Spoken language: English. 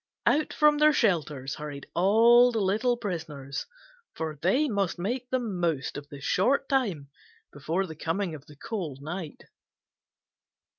Out from their shelters hurried all the little prisoners, for they must make the most of the short time before the coming of the cold night.